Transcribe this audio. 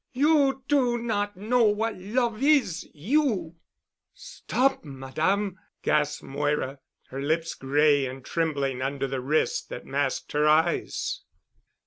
You do not know what love is, you——" "Stop, Madame!" gasped Moira, her lips gray and trembling under the wrist that masked her eyes.